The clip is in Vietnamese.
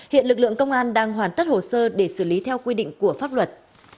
hiện lực lượng công an đang hoàn tất hồ sơ để xử lý theo quy định của pháp luật